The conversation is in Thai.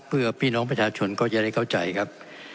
เพื่อพี่น้องประชาชนก็จะได้เข้าใจครับ